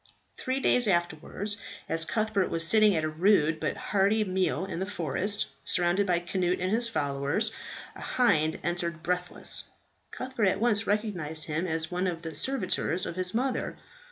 Three days afterwards, as Cuthbert was sitting at a rude but hearty meal in the forest, surrounded by Cnut and his followers, a hind entered breathless. Cuthbert at once recognized him as one of the servitors of his mother.